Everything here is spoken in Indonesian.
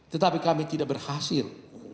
tetapi kami tidak berhasil